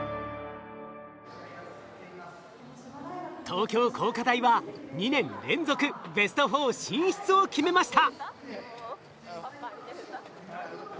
東京工科大は２年連続ベスト４進出を決めました。